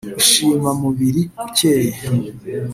ushima mubiri ukeye